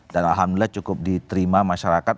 dan alhamdulillah cukup diterima masyarakat